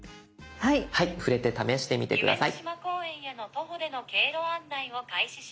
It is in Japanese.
はい触れて試してみて下さい。